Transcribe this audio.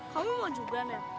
kamu mau juga nen